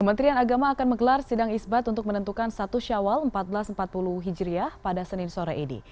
kementerian agama akan menggelar sidang isbat untuk menentukan satu syawal seribu empat ratus empat puluh hijriah pada senin sore ini